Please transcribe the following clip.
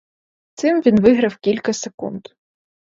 Цим він виграв кілька секунд.